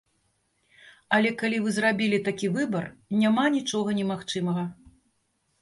Але калі вы зрабілі такі выбар, няма нічога немагчымага.